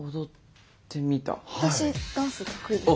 私ダンス得意ですよ。